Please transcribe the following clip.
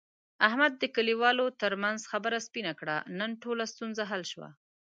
احمد د کلیوالو ترمنځ خبره سپینه کړه. نن ټوله ستونزه حل شوه.